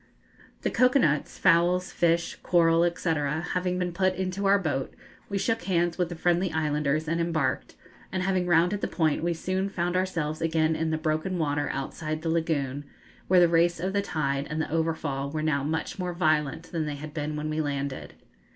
The cocoa nuts, fowls, fish, coral, &c., having been put into our boat, we shook hands with the friendly islanders and embarked, and having rounded the point we soon found ourselves again in the broken water outside the lagoon, where the race of the tide and the overfall were now much more violent than they had been when we landed.